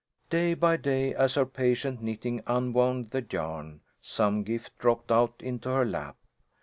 Day by day, as her patient knitting unwound the yarn, some gift dropped out into her lap.